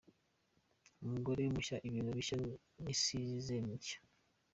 Umugore mushya, ibintu bishya n’isizeni nshya.